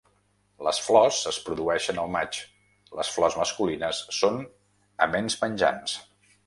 Les flors es produeixen al maig; les flors masculines són aments penjants.